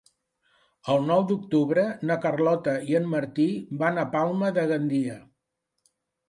El nou d'octubre na Carlota i en Martí van a Palma de Gandia.